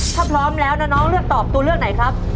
ถ้าพร้อมแล้วนะน้องเลือกตอบตัวเลือกไหนครับ